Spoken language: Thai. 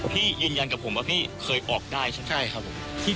ยืนยันกับผมว่าพี่เคยออกได้ใช่ไหมใช่ครับผม